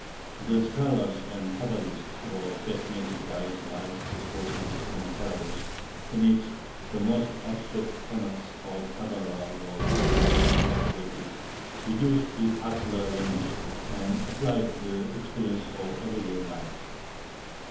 The scholars and Cabalists were fascinated by his wise discourses and parables, in which the most abstract tenets of the Cabala were concretely illustrated, reduced to popular language, and applied to the experiences of everyday life.